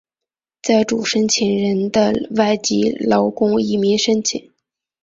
在主申请人的外籍劳工移民申请。